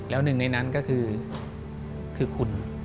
แล้วหนึ่งในนั้นก็คือคุณ